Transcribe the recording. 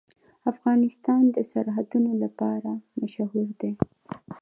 افغانستان د سرحدونه لپاره مشهور دی.